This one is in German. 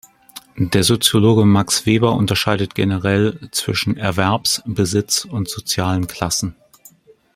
Der Soziologe Max Weber unterscheidet generell zwischen „Erwerbs-, Besitz-, und Sozialen Klassen“.